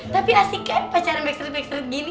tapi asik kan pacaran backstreet backstreet gini